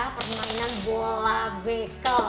permainan bola bekel